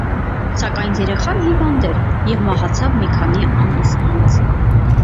Սակայն երեխան հիվանդ էր և մահացավ մի քանի ամիս անց։